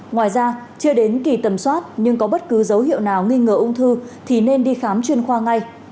ngoài ra chưa đến kỳ tầm soát nhưng có bất cứ dấu hiệu nào nghi ngờ ung thư thì nên đi khám chuyên khoa ngay